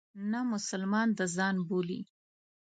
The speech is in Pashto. نه مسلمانان د ځان بولي.